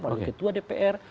melalui ketua dpr